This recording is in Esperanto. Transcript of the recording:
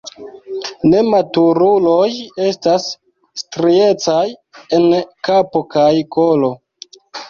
Nematuruloj estas striecaj en kapo kaj kolo.